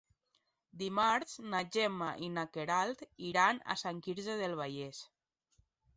Dimarts na Gemma i na Queralt iran a Sant Quirze del Vallès.